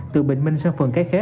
từ bình minh sang phường cái khé